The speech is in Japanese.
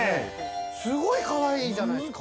すごいカワイイじゃないですか。